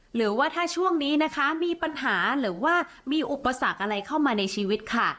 หรือว่าถ้าช่วงนี้นะคะมีปัญหาหรือว่ามีอุปสรรคอะไรเข้ามาในชีวิตค่ะ